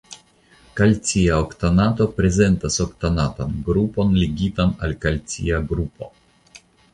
Kalcia oktanato prezentas oktanatan grupon ligitan al kalcia grupo.